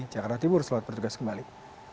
jakarta tibur selamat berjogas kembali